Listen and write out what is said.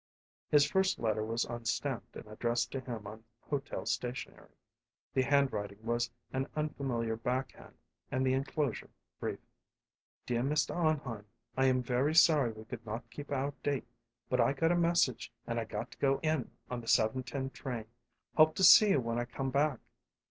His first letter was unstamped and addressed to him on hotel stationery; the handwriting was an unfamiliar backhand and the inclosure brief: DEAR MR. ARNHEIM: I am very sorry we could not keep our date, but I got a message and I got to go in on the 7:10 train. Hope to see you when I come back.